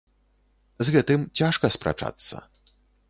З гэтым цяжка спрачацца.